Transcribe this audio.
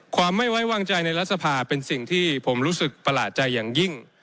ความไม่ไว้วางใจในรัฐสภาเป็นสิ่งที่ผมรู้สึกประหลาดใจอย่างยิ่ง